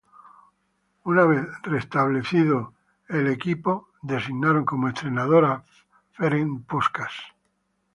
Una vez que el equipo fue establecido Ferenc Puskás fue designado como entrenador.